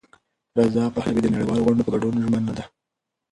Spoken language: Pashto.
رضا پهلوي د نړیوالو غونډو په ګډون ژمن دی.